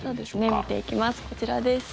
見ていきます。